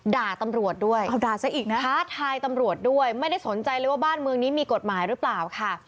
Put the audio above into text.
ด่าตำรวจด้วยเอาด่าซะอีกนะท้าทายตำรวจด้วยไม่ได้สนใจเลยว่าบ้านเมืองนี้มีกฎหมายหรือเปล่าค่ะ